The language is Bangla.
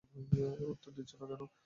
উত্তর দিচ্ছো না কেন?